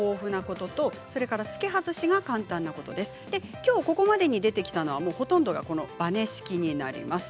きょうここまでに出てきたのはほとんどがバネ式になります。